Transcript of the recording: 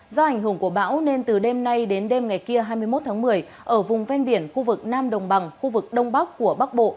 do ảnh hưởng của bão nên từ đêm nay đến đêm ngày kia hai mươi một tháng một mươi ở vùng ven biển khu vực nam đồng bằng khu vực đông bắc của bắc bộ